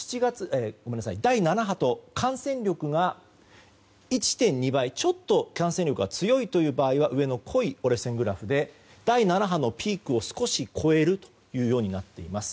第７波と感染力が１．２倍ちょっと感染力が強い場合は上の濃い線グラフで第７波のピークを少し超えるというふうになっています。